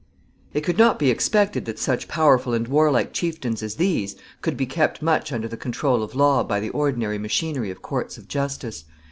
] It could not be expected that such powerful and warlike chieftains as these could be kept much under the control of law by the ordinary machinery of courts of justice.